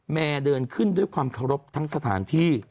เดินขึ้นด้วยความเคารพทั้งสถานที่